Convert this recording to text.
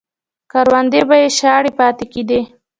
کروندې به یې شاړې پاتې کېدې.